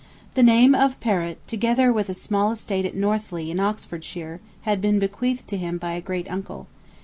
The name of Perrot, together with a small estate at Northleigh in Oxfordshire, had been bequeathed to him by a great uncle.